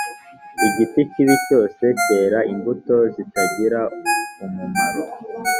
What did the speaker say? igiti kibi cyose cyera imbuto zitagira umumaro